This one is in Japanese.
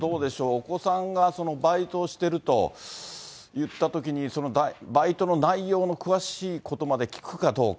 お子さんがバイトをしてるといったときに、バイトの内容の詳しいことまで聞くかどうか。